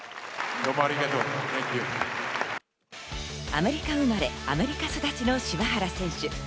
アメリカ生まれ、アメリカ育ちの柴原選手。